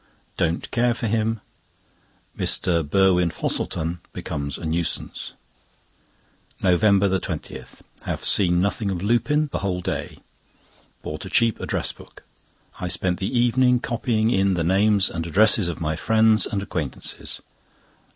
Don't care for him. Mr. Burwin Fosselton becomes a nuisance. NOVEMBER 20.—Have seen nothing of Lupin the whole day. Bought a cheap address book. I spent the evening copying in the names and addresses of my friends and acquaintances.